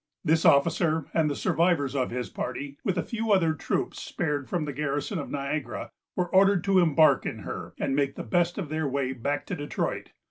This officer, and the survivors of his party, with a few other troops spared from the garrison of Niagara, were ordered to embark in her, and make the best of their way back to Detroit.